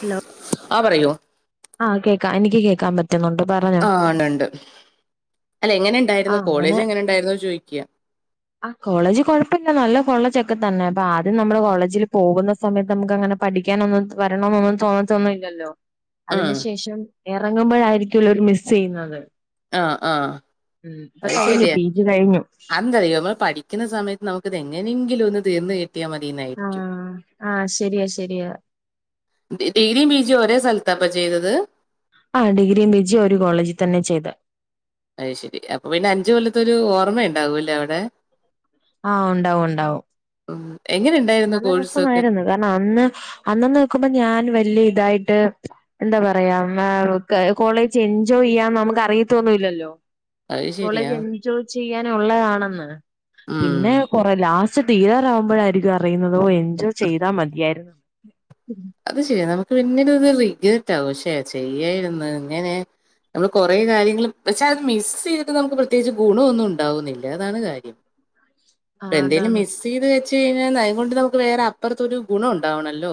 Hello ആ പറയോ ആഹ് കേൾക്കാം എനിക്ക് കേക്കാൻ പറ്റ- ആണ് ഇണ്ട് അല്ല എങ്ങനെ ഉണ്ടായിരുന്നു ആഹ് അങ്ങനെ കോളേജ് എങ്ങനെ ഉണ്ടായിരുന്നു ചോദിക്കാ ആ കോളേജ് കൊഴപ്പയില്ല നല്ല കോളേജ് ഒ ക്കെ തന്നെ അപ്പ ആദ്യം നമ്മെൾ കോളേജിൽ പോകുന്ന സമയത്ത് നമുക്ക് അങ്ങെനെ പഠിക്കാനൊന്നും വരണംന്നൊന്നും തോന്നത്തൊന്നുയില്ല ല്ലോ ഉം, അതിന് ശേഷം എറങ്ങുമ്പോഴായിരിക്കോല്ലോ ഒര് മിസ്സ് ചെയ്യ്ന്നെത് ആഹ് ആഹ് അയ് കഴിഞ്ഞു ശരിയാ പി ജി കഴിഞ്ഞു അയെന്താറിയോ നമ്മെൾ പഠിക്ക്ന്ന സമയെ നമുക്കിത് എങ്ങനെങ്കിലും ഒന്ന് തീർന്ന് കിട്ടിയാ മതിന്നായിരിക്കും ആഹ് ആഹ് ശരിയാ ശരിയാ ഡി ഡിഗ്രിയും പിജിയും ഒരേ സ്ഥലത്താ അപ്പം ചെയ്തെത് ആഹ് ഡിഗ്രിയും പിജിയും ഒര് കോളേജി തെന്നെ ചെയ്തെ അയ് ശെരി അപ്പ പിന്നെ അഞ്ച് കൊല്ലത്തൊരു ഓർമ്മ ഇണ്ടാകും ലെ അയുടെ ആഹ് ഒണ്ടാവും ഒണ്ടാവും എങ്ങനെ ഉണ്ടായിരുന്നു നല്ല കോഴ്സൊക്കെ രസമായിരുന്നു കാര്ണം അന്ന് അന്ന്ന്ന് നിക്കുമ്പോ ഞാൻ വെല്ലെ ഇതായിട്ട് എന്താ പറയാ മേം ഒക്കെ കോളേജ് എൻജോയ് ചെയ്യാൻ നമുക്ക് അറിയത്തൊന്നുയില്ലല്ലോ അത് ശരിയാ കോളേജ് എൻജോയ് ചെയ്യാനുള്ളതാണെന്ന്. ഉം പിന്നെ കൊറെ ലാസ് പക്ഷെ തീരാറാവുമ്പോഴായിരിക്കും അറിയുന്നതും എൻജോയ് ചെയ്താ മതിയായ്ര്ന്നെന്ന് അത് ശരിയാ നമുക്ക് പിന്നിട് അത് റിഗ്റെറ്റ് ആവും പക്ഷെ ചെയ്യായ്ര്ന്ന് ഇങ്ങെനെ നമ്മെൾ കൊറെ കാര്യങ്ങെൾ പക്ഷെ അത് മിസ് ചെയ്ത്ട്ട് നമുക്ക് പ്രത്യേകിച്ച് ഗുണുവൊന്നും ഇണ്ടാവുന്നില്ല അതാണ് കാര്യം ആ ട്ട് എന്തെലും അതാണ് മിസ് ചെയ്ത് വെ ച്ച് കഴ്ഞ്ഞാ ന്നാ അയു കൊണ്ട് നമുക്ക് വേറെ അപ്പൊർത്തൊരു ഗുണം ഉണ്ടാവണല്ലോ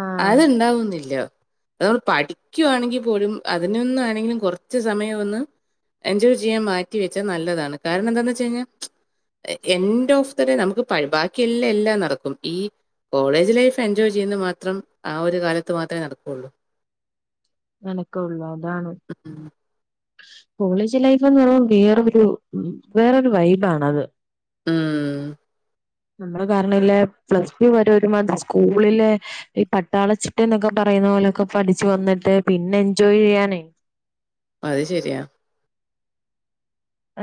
ആഹ് അത് ഇണ്ടാവുന്നില്ലാ അത് നമ്മെൾ പഠിക്കുവാണെങ്കി പോലും അതിനൊന്നാണെങ്കിലും കൊർച്ച് സമയം ഒന്ന് എൻജോയ് ചെയ്യാൻ മാറ്റി വെച്ചാ നല്ലതാണ്. കാരണം എന്താന്ന് വെച്ച് കഴിഞ്ഞാ എന്റ് ഓഫ് ദ ഡേ നമുക്ക് പഴി ബാക്കിയെല്ലാം എല്ലാം നടക്കും ഈ കോളേജ് ലൈഫ് എൻജോയ് ചെയ്യ്ന്നെ മാത്രം ആ ഒരു കാലത്ത് മാത്രേ നടക്കൊള്ളു നടക്കുയൊള്ളു അതാണ്. ഉം. കോളേജ് ലൈഫ്ന്ന് പറിയുമ്പോ വേറൊരു വേറൊരു വൈബ് ആണ് അത് ഉം നമ്മള് കാരണല്ലെ പ്ലസ് ടു വരെ ഒരു മാദ്‌രി സ്കൂളിലെ ഈ പട്ടാളച്ചിട്ടേ എന്നൊക്കെ പറ യുന്ന പോലൊക്കെ പഠിച്ചു വന്നിട്ട് പിന്നെ എൻജോയ് ചെയ്യാനേ അത് ശെരിയാ.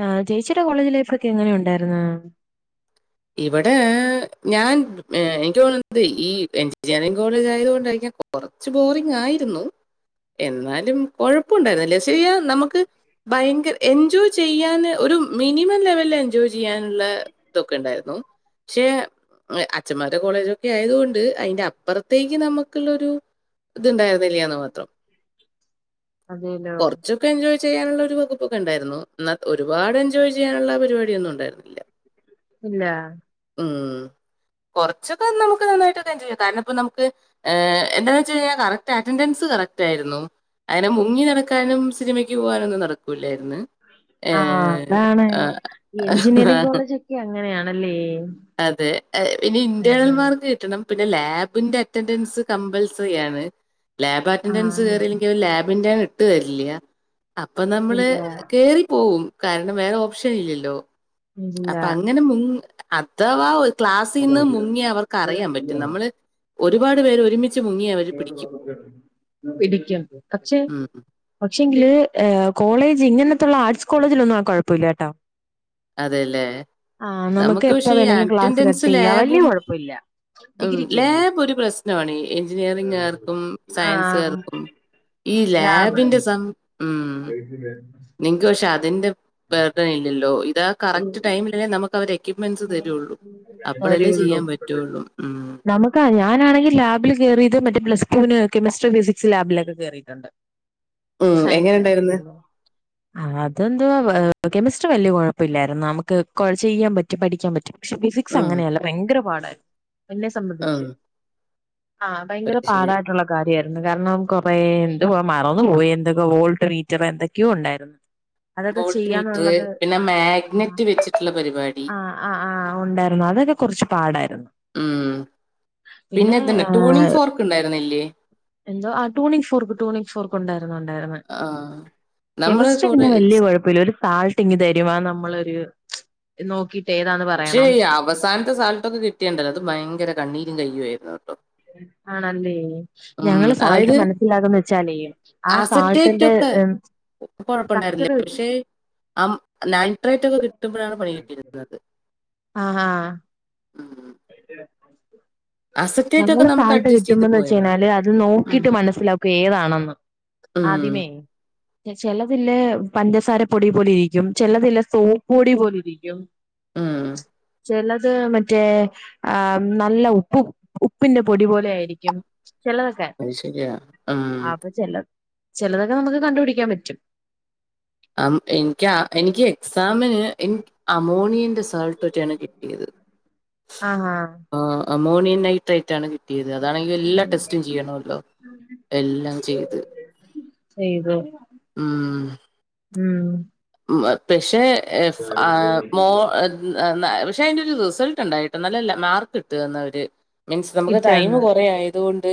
ആഹ് ചേച്ചിടെ കോളേജ് ലൈഫൊക്കെ എങ്ങനെ ഉണ്ടായിരുന്നു? ഇവടെ ഞാൻ എനിക്ക് തോന്നത് ഈ എഞ്ചിനീയറിങ് കോളേജ് ആയത് കൊൊണ്ടരിക്ക കൊറച്ച് ബോറിംഗ ആ ആ എന്നാലും കൊഴപ്പുണ്ടായിരുന്നില്ലേ ശ നമുക്ക് ഭയങ്കര എൻജോയ് ചെയ്യാന് ഒരു മിനിമം ലെവല എൻജോയ് ചെയ്യാനുള്ള ണ്ടായി പക്ഷെ അച്മാരുടെ കോളേജൊക്കെ ആയത്ുകൊണ്ട് അതിറെ അപ്പുറത്തേക്ക് നമുക്കുള്ളൊരു ഇത്ണ്ടായിരുന്നില്ലാന്ന് മാത്രം അതേലോ കൊറച്ചൊക്കെ എോ ചെയ്യാനുള്ള ഒരു വകുപ്പൊക്കെ ഉണ്ടായിരുന്നു എന്നാ ഒരുപാട് എൻജോയ് ചെയ്യാനുള്ള പരിപാടിയൊന്നും ഉണ്ടായിരുന്നില്ല ഇല്ല ഉം കുറച്ചൊക്കെ നമു നായിട്ടൊക്ക ചെയ്യാം കാരണം നമുക്ക് എന്താന്ന് വെച്ച്ഞ്ഞാൽ കറക്റ്റ് അറ്റൻൻസ് കറക്റ്റ്ായിരുന്നു അങ്ങനെ മുങ്ങി നടക്കാനും സിനിമയ്ക്ക് പോകാനൊന്നും നടക്കില്ലായിരുന്നു ഏ ആഹ് അതാണ് ആ എഞ്ചിനീയറിംഗ് ആ കോളേജ് ഒക്കെ അങ്ങനെയാണല്ലേ അതെ ഇനി അതെ ഇന്റേണന്മാർക്ക് കിട്ടണം പിന്നെ ലാബ് അ ക അ ആഹ് അ ഇട്ട് തരില്ല അപ്പൊ നമ്മള് ഇല്ല കേറി പോവും കാരണം വേറെ ഓപ്ഷൻ ഇല്ലല്ലോ ഇല്ല അപ്പൊ അങ്ങനെ മു അഥവാ ക്ലാസ്സിൽന്ന് മുങ്ങി അവർക്ക് അറിയാൻ പറ്റും നമ്മള് ഒരുപാട് പേര് ഒരുമി പിടിക്കും പക്ഷേ ഉം പക്ഷെങ്കില് കോളേജ് ഇങ്ങനത്തുള്ള ആർട്സ് കോളേജിലൊന്നും ആ കുഴപ്പമില്ല കേട്ടോ അതെല്ലേ. ആഹ നമുക്ക് എപ്പ പക്ഷെ ഈ വേണേങ്കിലും ക്ലാസ് കട്ട് അറ്റൻഡൻസ് ചെയ്യാം വലിയ ലാബും കുഴപ്പില്ല ഉം ലാബ് ഒരു പ്രശ്നണ എഞ്ചിനീയർ ർക്കും ആഹ് സയൻസ്ുകർക്കും ഈ ലാബിന്റെ ഉം. കക്ക ര നിങ്ങക്ക് പക്ഷെ അതിന്റെ ബെർഡൻ ഇല്ലല്ലോ ഇതാ കറക്റ്റ് ടൈമിലെ നമുക്ക് അവരെ എക്യപ്മെന്റ്സ് തരുള്ളൂ അപ്പഴല്ലേ കാര്യള്ളൂ ചെയ്യാൻ പറ്റുള്ളൂ ഉ ഞാനാണെിൽ ലബിൽ കറിയത് മറ്റ പ്ലസ് ടുവിന് കെമി്ട്രി ഫിസിക്സ് ലാബിലൊക്കെ കേറിട്ടുണ്ട് ഉം എങ്ങനെ ഉണ്ടായിന്ന് അതെന്തുവാ കെമിസ്ട്രി വലിയ കുഴപ്പമില്ലായിുന്ന നമുക്ക് ചെയ്യാൻ പറ്റും പഠിക്കാൻ പറ്റും പക്ഷെ ഫിസിക്സ് ഉം. അങ്ങനെയല്ല ഭയങ്കര പാടായിരുന്നു എന്നെ ഉം. സംബന്ധിച്ച് ആഹ ഭയങ്കര അത് ശരി. പാടായിട്ടുള്ള കാര്യമായിരുന്നു കാരണം കൊറെേ എന്തതു മറന്നു പോോയി എന്തൊക്കെ വോൾട്ട് മീറ്റർ എന്തൊക്കെയോ ഉണ്ടായിരുന്നു അതൊക്കെ ബോട്ട് മീറ്ററ് ചെയ്യാന്നുള്ളത് പിന്നെ ആ മാഗ്നറ്റ് വെച്ചിട്ടുള്ള പരിപാടി ആ ആ ആ് ഉണ്ടായിരുന്നു അതൊക്കെ കുറച്ച് പാടായിരുന്നു ഉം പിന്നെ ഇതുന്ന ടൂണിങ്ഫോർക്ക് ഉണ്ടായിരുന്നല്ലേ എന്തോ ആ ടൂണിക് ഫോർക്ക് ടൂണിക് ഫോർക്ക് ഉണ്ടായിരുന്നു ഉണ്ടായിരുന്ന ആഹ്. നമ്മള് കെമിസ്ട്രി പിന്നെ കോളേ വലിയ കുഴപ്പമില്ല ഒരു സാൾട്ട് ഇങ്ങി തരുവാ നമ്മളൊരു നോക്കി പക്ഷേ അവസാനത്തെ സാൾട്ടൊക്കെ കിട്ടിയണ്ടല്ലോ അത് ഭയങ്കര കണ്ണീരും കയ്യുമായിരുന്നു ആണല്ലേ ഉം, ഞങ്ങള് സാൾട്ട് അതായത് മനസ്സിലാകന്ന് വെച്ചാലേ ആ സാൾട്ടിന്റെ കൊഴപ്പുണ്ടായിരുന്നില്ല സ്ട്രക്ചർ പക്ഷെ ആ നൻട്രൈറ്റ് ഒക്കെ കിട്ടുമ്പോഴാണ് പണി കിട്ടിരുന്നത് ആ ആ [unintelligible] അസറ്റേറ്റ് ഒക്കെ ഞങ്ങള് നമുക്ക് സാൾട്ട് അഡ്ജസ്റ്റ് ചെയ്ത് കിട്ടുമ്പോന്ന് വെച്ച പോയിരുന്നു കഴിഞ്ഞാല് അത് ഉം, നോക്കിട്ട് മനസ്സിലാക്കും ഏതാണെന്ന് ഉം, ആദ്യമേ ചിലതില് പഞ്ചസാര പൊടി പോലെ ഇരിക്കും ചിലതില്ല സോപ്പ് പൊടി പോലെ ഇരിക്കും ഉം ചിലത് മറ്റേ ആ നല്ല ഉപ്പ് ഉപ്പിന്റെ പൊടി പോലെ ആയിരിക്കും ചിലതൊക്കെ അത് ശരിയാ ഉം. അ അപ്പൊ ച ചിലതൊക്കെ നമുക്ക് കണ്ടുപിടിക്കാൻ പറ്റും. അ എനിക്ക് എനിക്ക് എക്സാമിന് എ അമോണിയന്റെ സൾട്ട് ഒറ്റെയാണ് കിട്ടിയത് അ ഹ ആ മോണിയൻ നൈട്രൈറ്റ് ആാണ് ത് അതാണെങ്കിൽ എല്ലാ ടെസ്റ്റും ചെയ്യണല്ലോ എല്ലാം ചെയ്ത് ചെയത് ഉം ഉം പക്ഷെ പക്ഷെ അതിന്റെ ഒരു റിസൾട്ട് ഉണ്ടായിട്ടോ നല്ല മാർക്ക് ഇട്ടു തന്നവര് മീൻസ് നമുക്ക് ടൈമ ഇട്ടന്ന് കുറയ അതുകൊണ്ട്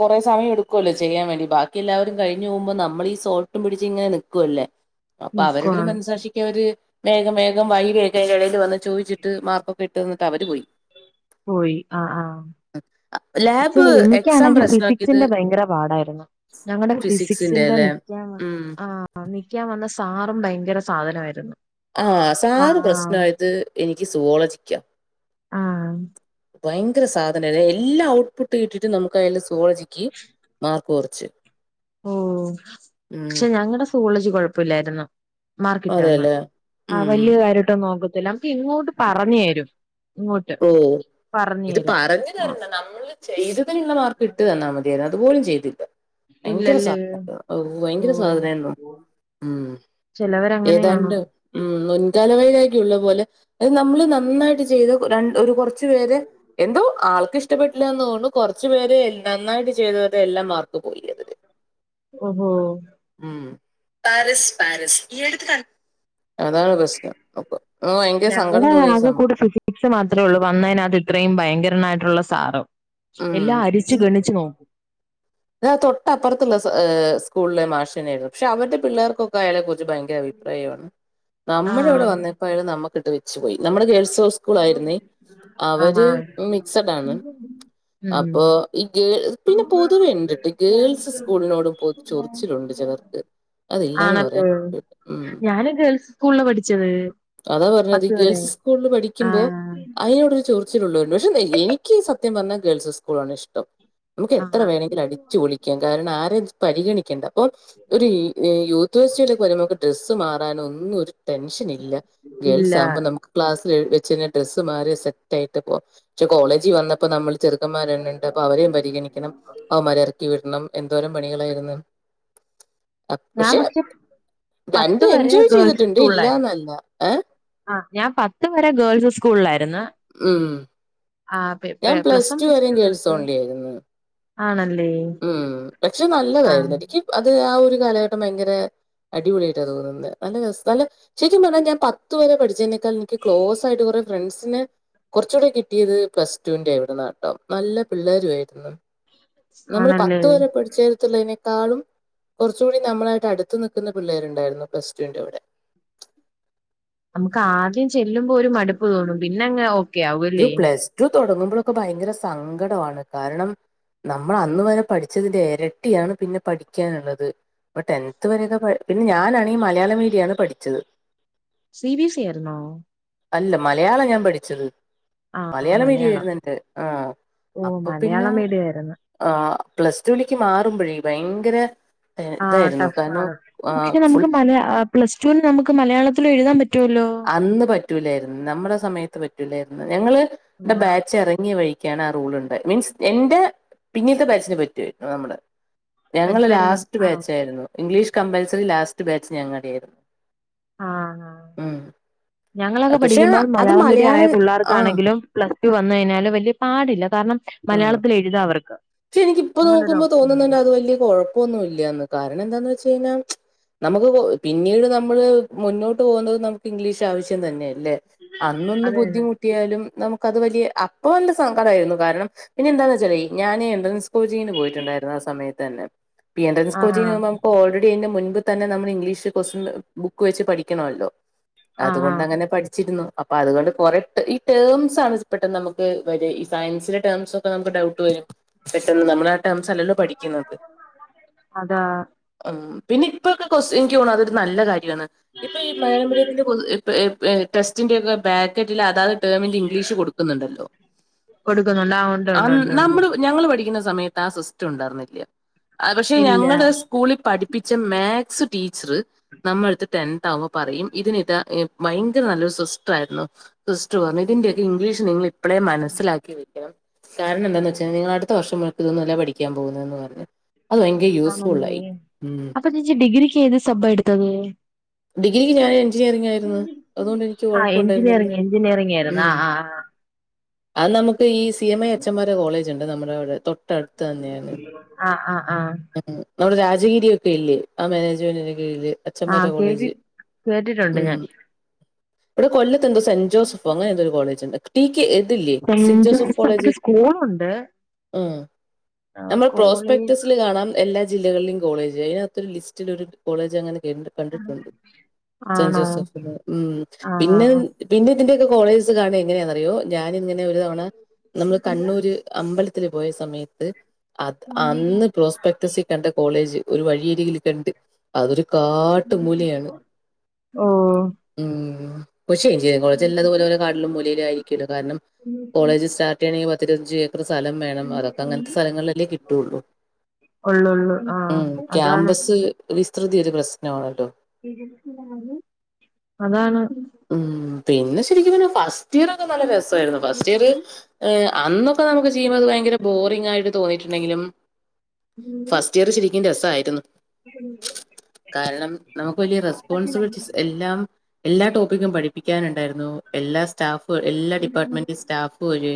കുറെേ സമയ എടുക്കുമല്ലോ ചെയ്യാൻ വേണ്ടി ബാക്കി. എല്ലാവരും കഴിഞ്ഞു പോകുമ്പോ നമ്മ ഈ സോൾട്ട് പിടിച്ച ങ്ങനെ നക്കുവല്ലേ അപ്പൊ അവരുടെരു നിക്കുവാണ് മനസ്സാക്ഷിക്ക് അവര് വേഗം വേഗം വൈ വേഗനിടൽ വ ചോദിച്ചിട്ട് മാർക്കൊക്കെ ഇട്ട്ന്നിട്ട് അവര് പോയി പോയി ആഹ് ആഹ് പക്ഷെ ലാബ് എക്സാം എനിക്കാണെങ്കിൽ പ്രശ്നമാക്കിയത് സിഫിക്സിന്റെ ഭയങ്കര പാടായിരുന്നു ഞങ്ങളടെ ഫിസിക്സിന്റെ നിക്കൻ ഉം ആ നിക്കാൻ വന്ന സ ഭയങ്കര സാധനമായിരുന്നു ആഹ സാറ് പ്രശ്ന ആഹ് ആത് എനിക്ക് സുവോള ചിക്കാം ആഹ് ഭയങ്കര സാധനല്ല എല്ലാ ഔട്ട്പുട്ട് കിട്ടിട്ടും നമുക്ക് അൽ സോളജിക്ക് മാ കോർച്ച് ഓ പക്ഷെ ഞങ്ങളടെ സുവോളജി കൊഴപ്പില്ലായിരുന്ന് മാർക്കിറ്റ്ാന്ന് അതെല്ലേ ആ ഉം വല്യ കാര്യോട്ടൊ നോക്കത്തില്ല നമുക്ക് ഇങ്ങോട്ട് പറഞ്ഞു തരും ഇങ്ങോട്ട് ഓ പറഞ്ഞു ഇത് തരും പറഞ്ഞു തരുന്ന നമ്മള് ചെയ്തതിനുള്ള മാർക്ക് ഇട്ട് തന്നാൽ മതിയായിരുന്നു അതുപോലും ചെയ്തില്ല ഭയങ്കര ഇല്ലല്ലേ സാധന ഭയങ്കര ഓഹ് സാധനമായിരുന്നു ഉ ചിലവരങ്ങനെയാണോ ഏതാണ്ട് ഉ മുൻകാല വൈരാഗ്യം ഉള്ള പോലെ അത് നമ്മള് നന്നായിട്ട് ചെയ്ത രണ്ട് ഒരു കുറച്ചു പേര് എന്തോ ആൾക്ക് ഇഷ്ടപ്പെട്ടില്ലന്നു കുറച്ചു പേരെ നന്നായിട്ട് ചെയ്തരെ എല്ലാം മാർക്ക് പോയി അതില് ഓഹോ ഉം പരിസ് പരിസ് ഈ എടുത്ത് ക നഓക്ക ഞങ്ങളുടെ ആകെ കൂടെ ഫിസിക്സ് മാത്രമേ ഉള്ളൂ വന്നതിനകത്ത് ഇത്രയും ഭയങ്കരായിട്ടുള്ള സാറോ എല്ലാം അരിച്ചു ഗണിച്ചു നോക്കൂ അത തൊട്ടപ്പുറത്തുള്ളഹ സ്കൂളില മാഷനായിരുന്നു പക്ഷെ അവരുടെ പിള്ളേർക്കൊക്കെ അയാലെ കു ഭയങ്കര അഭിപ്രായമാണ് നമ്മുടെ ഇവിടെ വന്നപ്പോാലും നമ്മക്ക് ഇ ആഹഹാ അപ്പൊ ഈ ഗേൾ പിന്നെ പൊ അത് വേണ്ടിട്ട് ഗേൾസ് സ്കൂളിനോടും പോ ചൊറിച്ചിലുണ്ട് ചിലർക്ക് അതില്ലാന്ന് ആണല്ലേ പറയാൻ പറ്റൂല ഉം ഞാന് ഗേൾസ് സ്കൂളില് പഠിച്ചത് അതാ പറഞ്ഞത് ഈ പത്ത് വരെ ഗേൾസ് സ്കൂളിൽ പഠിക്കുമ്പോ ആഹ് അതിനോട് ചൊറിച്ചിലുണ്ട് പക്ഷ എനിക്ക് സത്യം പറഞ്ഞാ ഗേൾസ് സ്കൂളാണ് ഇഷ്ടം നമുക്ക് എത്ര ആഹ് വേണെങ്കിലും അടിച്ചു പൊളിക്കാം കാരണം ആരെയും പരിഗണിക്കണ്ട പ്പൊ ഒരു യൂത്ത് വേസ്റ്റ് വെലൊക്കെ വരുമ്പോ നമുക്ക് ഡ്രസ്സ് മാറാനൊന്നും ഒരു ടെൻഷൻ ഇല്ല ഗേൾസ് ഇല്ല ആകുമ്പോ നമുക്ക് ക്ലാ ക്ലാസ്സില് വെച്ചെന്നെ ഡ്രസ്സ്‌ മാറി സെറ്റായിട്ട് പോവാ ക്ഷേ കോളേജിൽ വന്നപ്പോ നമ്മള് ചെറുക്കന്മാര ഉണ്ട് അപ്പൊ അവരെയും പരിഗണിക്കണം അവന്മാരെ ഇറക്കി വിടണം എന്തോരം പണികളായിരുന്നു പക്ഷെ രണ്ട് പത്ത് എൻജോയ് ചെയ്തിട്ടുണ്ട് ഇല്ലാന്നല്ല ആഹ ഞാൻ പത്ത് വരെ ഗേൾസ് സ്കൂളിലായിരുന്നു ഉം ആഹ് ഞാൻ പ്ലസ് ടു വരെ ഗേൾസ് ഒൺലി ആയിരുന്നു ആണല്ലേ ഉം പക്ഷെ ആഹ് നല്ലതായിരുന്നു എനിക്കും അത് ആ ഒരു കാലഘട്ടം ഭയങ്കര അടിപൊളിയായിട്ടാണ് തോന്നുന്നത് നല്ല രസ നല്ല ശരിക്കും പറഞ്ഞാൽ ഞാൻ പത്ത് വരെ പഠിച്ചതിനേക്കാൾ എനിക്ക് ക്ലോസ് ആയിട്ട് കുറ ഫ്രണ്ട്സിന് കൊർച്ചൂടെ കിട്ടിയത് പ്ലസ് ടുന്റെ അവിടുന്നാട്ടോ നല്ല പിള്ളേരു ആയിരുന്നു നമ്മള് ആണല്ലേ പത്ത് വരെ പഠിചേൽ തന്നെ താളും കുറച്ച കൂടി നമ്മളായിട്ട് അടുത്ത് നിക്കുന്ന പിള്ളേരുണ്ടായിരുന്നു പ്ലസ് ടു വിന്റെവിടെ നമുക്ക് ആദ്യം ചെല്ലുമ്പോ ഒരു മടുപ്പ് തോന്നും പിന്നെ അങ്ങ് ഓക്കെ ആവും അല്ലേ തുടങ്ങുമ്പോളൊക്കെ ഭയങ്കര സങ്കടമാണ് കാരണം നമ്മൾ അന്ന് വരെ പഠിച്ചതിന്റെ ഇരട്ടിയാണ് പിന്നെ പഠിക്കാനുള്ളത് അപ്പൊ ടെൻത് വരെയൊക്കെ പിന്നെ ഞാനാണെങ്കില് മലയാള മീഡിയണ് പഠിച്ചത് സി വി സി ആയിരുന്നോ അല്ല മലയാളം ഞാൻ പഠിച്ചത് ആ മലയാള മലയാളം മീഡിയായിര്ന്ന് എനിക്ക് ആ ഓ അപ്പൊ പിന്നെ മലയാളം മീഡിയം ആയിരുന്നു ആ പ്ലസ് ടുിലേക്ക് മാറുമ്പഴേ ഭയങ്കര ടെ- ആ ഇതായിരുന്നു. കാരണം ടഫാണ് ആഹ് പക്ഷേ ഫുൾ നമുക്ക് മല പ്ലസ് ടു ന് നമുക്ക് മലയാളത്തി എഴുതാൻ പറ്റ അന്ന് പറ്റൂലായിരുന്നു നമ്മുടെ സമയത്ത് പറ്റൂലായിരുന്നു ഞങ്ങള് ന്റെ ബാച്ച് ഇറങ്ങിയ വഴി കാനാ ആ റൂളുണ്ട് മീൻസ് എന്റെ പിന്നീത്തെ ബാച്ചിന് പറ്റുവായിരുന്നു നമ്മള് ഞങ്ങള് വരുന്ന ലാസ്റ്റ് ആ ബാച്ചായിരുന്നു ഇംഗ്ലീഷ് കമ്പൽസറി ലാസ്റ്റ് ബാച്ച് ഞങ്ങടെ ആയിരുന്നു ആ ആ ഉം ഞങ്ങളൊക്കെ പക്ഷെ പഠിക്കുമ്പോൾ അത് മലയാള മീഡിയ ആയ ആഹ് പിള്ളേർക്കാണെങ്കിലും പ്ലസ് ടു വന്നു കഴിഞ്ഞാല് വല്യയ പാടില്ല കാരണം മലയാളത്തിൽ എഴുതാ അവർക്ക് ഛെ എനിക്കിപ്പോ അങ്ങനൊരു നോക്കുമ്പോ ഓപ്ഷൻ ഉണ്ട് തോന്നുന്നുണ്ടണ്ട് അത് വല്യയ കുഴപ്പൊന്നും ഇല്ലന്ന് കാരണം എന്താന്ന് വെച്ചാ [unintelligible] നമുക്ക് പിന്നീട് നമ്മള് മുന്നോട്ട് പോകുന്നത് നമുക്ക് ഇംഗ്ലീഷ് ആവശ്യം തന്നായിരുന്നു അല്ലെ അന്നൊന്ന് അത് തന്നെ ബുദ്ധിമുട്ടിയാലും നമുക്ക് ക്ക അത് വലിയ അപ്പ നല്ല സങ്കടായിരുന്നു കാരണം പിന്നെന്താന്ന് വെച്ചാലേ ഇ ഞാനേ എൻട്രൻസ് കോച്ചിങ്ങിന് പോയിട്ടുണ്ടായിരുന്നു ആ സമയത്ത് തന്നെ ഈ എൻട്രൻസ് ആ കോച്ചിങ്ങിന് പോകുമ്പം ഓൾറെഡി അയിന്റെ മുൻപ് തന്നെ നമ്മൾ ഇംഗ്ലീഷ് ക്യുസ് ബുക്ക് വെച്ച് പഠിക്കണല്ലോ ആ ആ അതുകൊണ്ട് അങ്ങനെ പഠിച്ചിരുന്നു അപ്പൊ അതുകൊണ്ട് കുറ ഈ ടേംസ് ആണ് പെട്ടെന്ന് നമുക്ക് വരാ ഈ സയൻസിലെ ടേംസ് ഒക്കെ നമുക്ക് ഡൗട്ട് വരും പെട്ടെന്ന് നമ്മളാ ടെംസല്ലല്ലോ പഠിക്കുന്നത് അതാ ഉം പിന്നെ ഇപ്പൊക്കെ ക്യുസ് എനിക്കതോന്നാ അതൊരു നല്ല കാര്യമാണ് ഇപ്പൊ ഈ മലയാള മീഡിയത്തിന്റെ ഇപ്പൊ ഈ എ ടെസ്റ്റിന്റെ ഒക്കെ ബാറ്റ് കേട്ടില്ല അതാത് ടെർമിന്റെ ഇംഗ്ലീഷ് കൊടുക്കുന്നുണ്ടല്ലോ കൊടുക്കുന്നുണ്ട് ഉണ്ട് ആ ഉണ്ട് ഉണ്ട് ഉണ്ട് നമ്മള് ഞങ്ങള് പഠിക്കുന്ന സമയത്ത് ആ സിസ്റ്റം ഉണ്ടായിരുന്നില്ല പക്ഷേ ഇല്ല ഞങ്ങടെ സ്കൂളിൽ പഠിപ്പിച്ച മാ സ് ടീച്ചർ നമ്മളടുത്ത് ടെൻ ആവുമ്പോൾ പറയും ഇതിന് ഇതാ ഭയങ്കര നല്ലൊരു സസ്റ്റയിരുന്നു ഫസ് പറഞ്ഞു ഇതിന്റെയൊക്കെ ഇംഗ്ലീഷ് നിങ്ങൾ ഇപ്പോഴേ മനസ്സിലാക്കി വെക്കണം കാരണം എന്താന്ന് വെച്ചാൽ നിങ്ങളൾ അടുത്ത വർഷം ഇതൊന്നല്ല പഠിക്കാൻ പോകുന്നതന്ന് പറഞ് ആണല്ലേ അപ്പൊചെ ചീഡിഗ്രിക്ക് ഏത് സബ് എടുത്തത് ഡിഗ്രിക്ക് ഞാൻ ഇചിനറി ആയിരുന്നു അതുകൊണ്ട് എനിക്ക് ആഹ് കൊഴപ്പുണ്ടായിരുന്നില്ലേ എഞ്ചിനീയറിംഗ് എഞ്ചിനീയറിംഗ് ഉ ആയിരുന്നു ആഹ് അ നമുക്ക് ഈ സി എം ഐ എച്ച്ംമാരെ കോളേജ് ഉണ്ട് നമ്മുടെ അവിടെ തൊട്ടടുത്ത് തന്നെയാണ് ആഹ് ആഹ് ആഹ് ആഹ് നമ്മുടെ രാജകീയ ഇ ഒക്കെ ഇല്ലേ ആ മാനേജ്മെന്റിന്റെ കീഴില് അഛന്മാര ആഹ് കേട്ടി കോളേജ് കേട്ടിട്ടുണ്ട് ഉ ഞാൻ ഇവിടെ കൊല്ലത്തെ എന്തോ സെന്റ് ജോസഫോ അങ്ങനെ എന്തോ ഒരു കോളേജ് ഉണ്ട് തി ഇതു ഇല്ലെങ്കിൽ സെന്റ് ജോസഫ് കോളേജ് ഉ നമ്മൾ സ്കൂളിൽ പ്രോസ്പെക്ടസിൽ കാണാം എല്ലാ ജില്ലകളിലും കോളേജ് അതിനകൊ ഒരു ലിസ്റ്റിൽ ഒരു കോളേജ് അങ്ങനെ കണ്ടിുണ്ട് ആണോ സെഫ ഉ പിന്നെ ആഹ് പിന്നെ ന്റെൊക്കെ കോളേജ് കാണ എങ്ങനെയാണറിയോ ഞാനിങ്ങനെ ഒരു തവണ നമ്മള് കണ്ണൂര് അമ്പലത്തി പോയ സമയത്ത് അത് അന്ന് പ്രോസ്പെക്ടസി കണ്ട കോളേജ് ഒരു വഴിയരികിൽ കണ്ട് അതൊരു കാട്ടു മൂലയാണ് ഓഹ് ഉ ഉ ശരിയാ കോളജ അല്ലാതുപല കാടില മൂലും ആയിരിക്കല്ല കാരണം കോളേജ് സ്റ്റാർട്ട ചെയണെങ്കിൽ പത്തി അഞ്ചു ഏക്കർ സ്ഥലം വേണം അതൊക്കെ അങ്ങനത്തെ സ്ഥലങ്ങളിലല്ലേ കിട്ടുള്ളൂ ഉള്ളൊള്ളു ആഹ് ഉം അതാണ് ക്യാമ്പസ് വിസ്തൃതിഒരു പ്രശ്നമാണട്ടോ അതാണ് ഉം പിന്നെ ശരിക്കും പറഞ്ഞെ ഫസ്റ്റ് ഇയർ ഒക്കെനല്ല രസമായിരുന്നു ഫസ്റ്റ് ഇയർ അന്ന് നമുക്ക് ചെയ്യുമ്പോ അത് ഭയങ്കര ബോറി ആയിട്ട് തോന്നിട്ടുണ്ടെങ്കിലും ഫസ്റ്റ് ഇയർ ശരിക്കും രസമായി കാരണം നമുക്ക് വലിയ റെസ്പോൺസിബളിറ്റിസ് എല്ലാം എല്ലാ ടോപ്പിക്കും പഠിപ്പിക്കാനുണ്ടായിരുന്നു എല്ലാ സ്റ്റാഫ് എല്ലാ ഡിപ്പാർട്ട്മെന്റിൽ സ്റ്റാഫ് ഒരു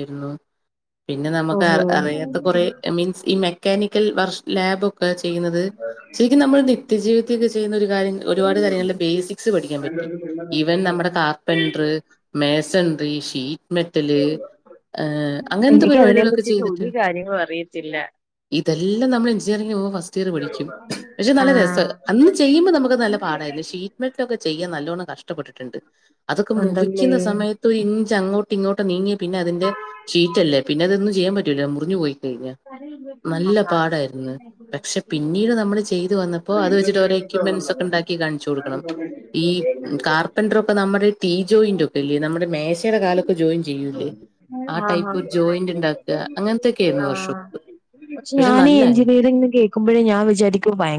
പിന്നെ നമുക്ക് ഓഹോ അറിയാത്ത കുറെ മീൻസ് ഈ മെക്കാനിക്കൽ വർ ലാബ് ഒ ചെയ്യുന്നത് ശരിക്കും നമ്മൾ ചെയുന്നത് ശരിക്കും നമ്മൾ നിത്യജീവിതത്തിൊക്കെ ചെയ്യുന്ന ഒരു കാര്യം ഒരുപാട് കാര്യങ്ങള ബേസിക്സ് പഠിക്കാൻ പറ്റി ഇ വൻ നമ്മുടെ കാർപ്പെൻററ് മേസൻറി ഷീറ്റ്മെറ്റല് ആഹ അങ്ങനത്തെ എനിക്ക് അതിനെ പരിപാടികളൊക്കെ പറ്റിട്ട് ചെയ്തിട്ട് ഒരു കാര്യങ്ങളും അറിയത്തില്ല ഇതെല്ലാം നമ്മൾ എഞ്ചിനീയറിംഗിന് പോവൂ ീ പഠിക്കും പക്ഷെ നല്ല രസം ആഹ് അന്ന് ചെയ്യുമ്പോ നമുക്ക് നല്ല പാടായിരുന്നു ഷി റ്റ്ക്കെ ചെയ്യാൻ നല്ലോണ്ണം കഷ്ടപ്പെട്ടിട്ടുണ്ട് അതൊക്കെ ഉണ്ടല്ലേ മുറിക്കുന്ന സമയത്ത് ഇ അങ്ങോട്ട ഇങ്ങട്ട് നീങ്ങി പിന്നെ അങ്ങോട്ടും ഇ ങ്ങോട്ടും നീങ്ങി അതിന്റെ ഷീറ്റല്ലേ പിന്നെ അതൊന്നും ചെയ്യൻ പറ്റൂലോ മുറിഞ്ഞു പോയിഴിഞ്ഞ നല്ല ആഹ് പാടായിരുന്നു പക്ഷെ പിന്നീട് നമ്മള് ചെയ്തു വന്നപ്പോ അത് വെച്ചിട്ട് ഓോ എക്യപ്മെന്റ് ഉണ്ടാക്ക കാണിച്ചു കൊടുക്കണം ഈ കാർപെൻട്രവോക്കെമ്മുടെ നമ്മുടെ ടീ ജോയിന്റക്കെല്ല ന പേയുടെ കാലൊക്കെ ജോയിൻ ചെയ്യൂലേ ആ ആഹ് ടൈപ്പ് ഒരു അങ്ങനെ ജോയിന്റ് ഉണ്ടാക്കുക അങ്ങനത്തെൊക്കെയായിരുന്നു വർഷം ആഹ് പക്ഷെ ഞാൻീ എഞ്ചിനീയറിംഗന് കേൾക്കുമ്പോഴേ ഞാൻ വിചാരിക്കും ഭയങ്കര